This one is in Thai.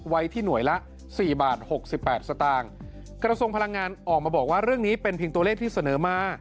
ไว้ที่หน่วยละสี่บาทหกสิบแปดสตางค์กระทรวงพลังงานออกมาบอกว่าเรื่องนี้เป็นเพียงตัวเลขที่เสนอมา